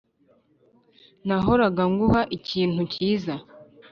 nahoraga nguha ikintu cyiza